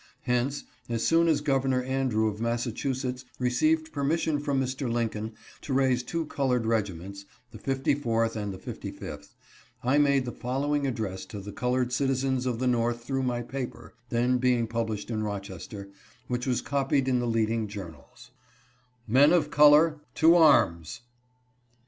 Hence, as soon as Governor Andrew of Massa chusetts received permission from Mr. Lincoln to raise two colored regiments, the 54th and 55th, I made the following address to the colored citizens of the North through my paper, then being published in Rochester, which was copied in the leading journals : "MEN OF COLOR, TO ARMS!